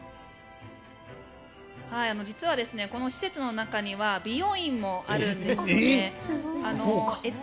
実は、この施設の中には美容院もあるんですよね。